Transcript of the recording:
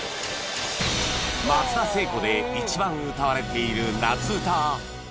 松田聖子で一番歌われている夏うた